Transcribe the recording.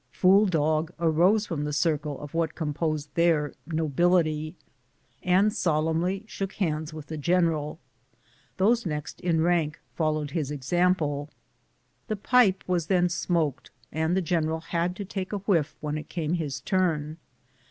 Fool dog arose from the circle of what com posed their nobility, and solemnly shook hands with the general ; those next in rank followed his example. The pipe was then smoked, and the general had to take a whiff when it came his turn.